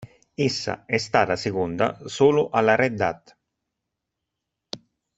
Essa è stata seconda solo alla Red Hat.